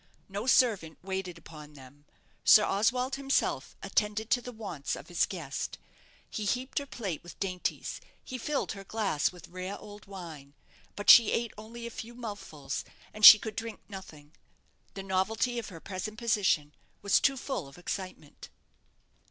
No servant waited upon them. Sir Oswald himself attended to the wants of his guest. He heaped her plate with dainties; he filled her glass with rare old wine; but she ate only a few mouthfuls, and she could drink nothing. The novelty of her present position was too full of excitement.